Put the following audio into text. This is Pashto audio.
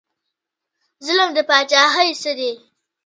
ظلم د پاچاهۍ څه دی؟